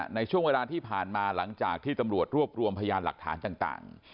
ในช่วงเวลาที่ผ่านมาหลังจากที่ตำรวจรวบรวมพยานหลักฐานต่าง